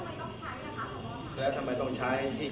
โปรดติดตามตอนต่อไป